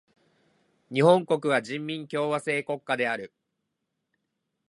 日本国は人民共和制国家である。